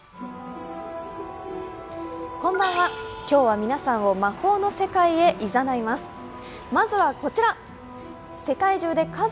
今日は皆さんを魔法の世界へ、いざないます。